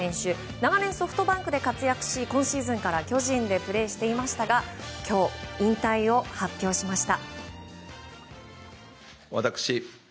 長年ソフトバンクで活躍し今シーズンから巨人でプレーしていましたが今日、引退を発表しました。